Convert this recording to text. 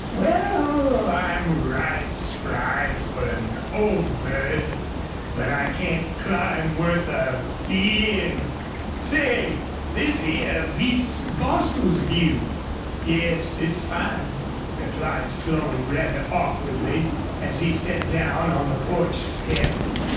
"Wal, I'm right spry fer an old bird. But I can't climb wuth a d n .... Say, this here beats Bostil's view." "Yes, it's fine," replied Slone, rather awkwardly, as he sat down on the porch step.